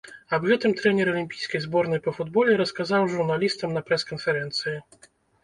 Аб гэтым трэнер алімпійскай зборнай па футболе расказаў журналістам на прэс-канферэнцыі.